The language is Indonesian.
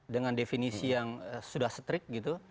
dengan definisi yang sudah strict gitu